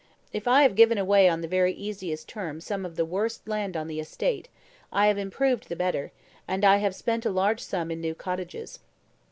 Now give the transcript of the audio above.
If I have given away on the very easiest terms some of the worst land on the estate, I have improved the better, and I have spent a large sum in new cottages.